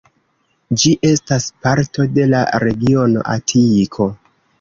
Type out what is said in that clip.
Ĝi estas parto de la regiono Atiko.